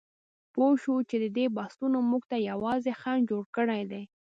پوهه شو چې دې بحثونو موږ ته یوازې خنډ جوړ کړی دی.